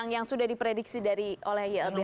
yang sudah diprediksi oleh ylb